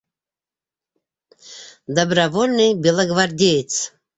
Добровольный белогвардеец.